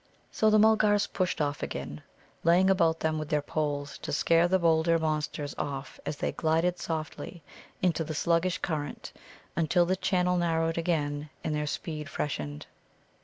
So the Mulgars pushed off again, laying about them with their poles to scare the bolder monsters off as they gilded softly into the sluggish current, until the channel narrowed again, and their speed freshened.